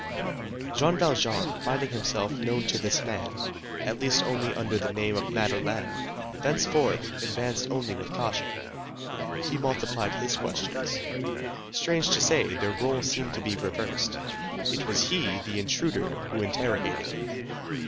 Jean Valjean, finding himself known to this man, at least only under the name of Madeleine, thenceforth advanced only with caution. He multiplied his questions. Strange to say, their rôles seemed to be reversed. It was he, the intruder, who interrogated.